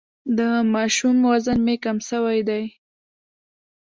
د ماشوم وزن مي کم سوی دی.